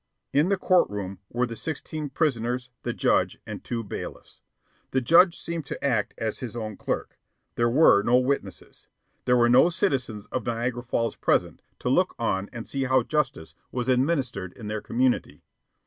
In the court room were the sixteen prisoners, the judge, and two bailiffs. The judge seemed to act as his own clerk. There were no witnesses. There were no citizens of Niagara Falls present to look on and see how justice was administered in their community.